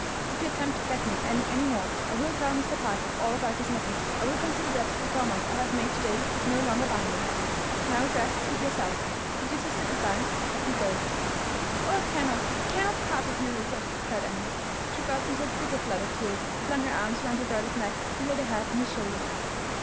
If you attempt to blackmail Annie any more I will tell Mr. Parker all about this matter. I will consider that the promise I have made to day is no longer binding. Now, it rests with yourself. Bid your sister good by, and go." "Oh, I cannot, cannot part with you, Rupert!" cried Annie. She burst into a bitter flood of tears, flung her arms round her brother's neck, and laid her head on his shoulder.